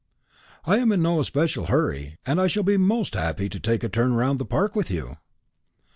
"I am in no especial hurry, and I shall be most happy to take a turn round the Park with you."